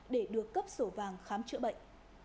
để được cấp sổ vàng khám chữa bệnh